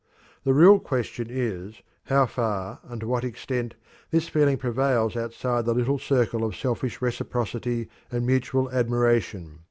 The real question is, how far and to what extent this feeling prevails outside the little circle of selfish reciprocity and mutual admiration.